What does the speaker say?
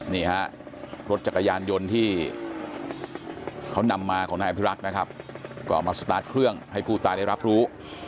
นี่ฮะรถจักรยานยนต์ที่เขานำมาของนายอภิรักษ์นะครับก็เอามาสตาร์ทเครื่องให้ผู้ตายได้รับรู้